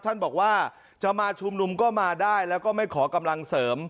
ท่านบอกว่าจะมาชุมนุมก็มาได้แล้วก็ไม่ขอกำลังเสริม